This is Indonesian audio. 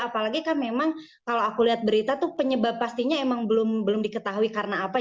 apalagi kan memang kalau aku lihat berita itu penyebab pastinya emang belum diketahui karena apa